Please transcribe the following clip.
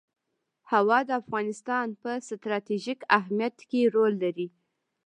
هوا د افغانستان په ستراتیژیک اهمیت کې رول لري.